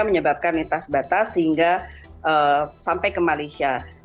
menyebabkan netas batas sehingga sampai ke malaysia